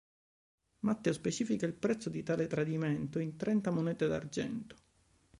Matteo specifica il prezzo di tale tradimento in "trenta monete d'argento".